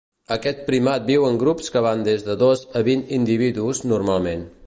Aquest primat viu en grups que van des de dos a vint individus, normalment.